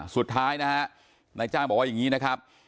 สุดท้ายนะฮะนายจ้างบอกว่าอย่างนี้นะครับ